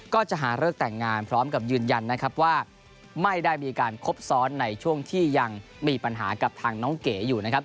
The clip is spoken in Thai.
ก็จะหาเลิกแต่งงานพร้อมกับยืนยันนะครับว่าไม่ได้มีการคบซ้อนในช่วงที่ยังมีปัญหากับทางน้องเก๋อยู่นะครับ